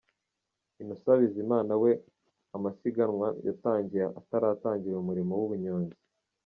Innocent Bizimana we amasiganwa yatangiye ataratangira umurimo w’ubunyonzi.